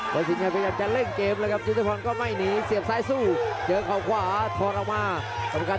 โบสถิ่งชัยพยายามจะเล่นเกมเลยครับจุฏฟรรณก็ไม่หนีเสียบซ้ายสู้เจอเขาขวาทอดออกมา